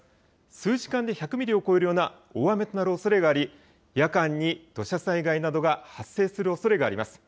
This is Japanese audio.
数時間で１００ミリを超えるような大雨となるおそれがあり夜間に土砂災害などが発生するおそれがあります。